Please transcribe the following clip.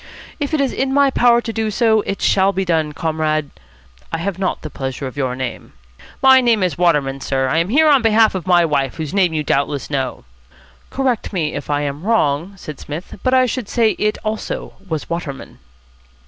"If it is in my power to do so, it shall be done, Comrade I have not the pleasure of your name." "My name is Waterman, sir. I am here on behalf of my wife, whose name you doubtless know." "Correct me if I am wrong," said Psmith, "but I should say it, also, was Waterman."